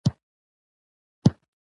ایا زه باید ګولۍ وخورم؟